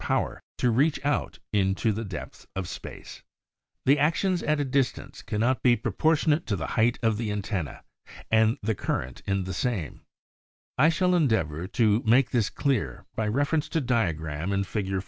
May, 1919 ELECTRICAL EXPERIMENTER 63 The actions at a distance cannot be pro portionate to the height of the antenna and the current in the same. I shall endeavor to make this clear by reference to diagram in Fig.